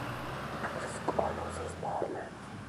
აქვს კონუსის ფორმა.